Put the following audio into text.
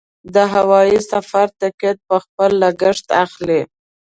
د هوايي سفر ټکټ په خپل لګښت اخلي.